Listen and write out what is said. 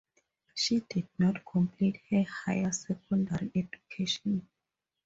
She did not complete her higher secondary education.